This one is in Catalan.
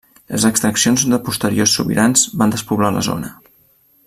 Les exaccions de posteriors sobirans van despoblar la zona.